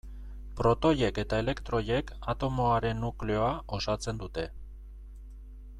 Protoiek eta elektroiek atomoaren nukleoa osatzen dute.